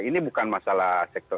ini bukan masalah sektor